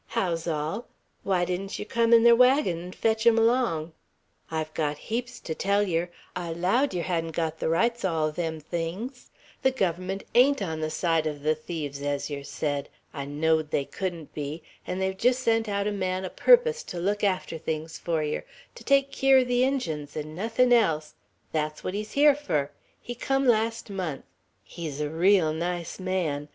How's all? Why didn't yer come in ther wagon 'n' fetch 'em 'long? I've got heaps ter tell yer. I allowed yer hadn't got the rights o' all them things. The Guvvermunt ain't on the side o' the thieves, as yer said. I knowed they couldn't be,' an' they've jest sent out a man a purpose to look after things fur yer, to take keer o' the Injuns 'n' nothin' else. That's what he's here fur. He come last month; he's a reel nice man.